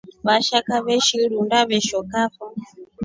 Vashaka veshi irunga veshokafo.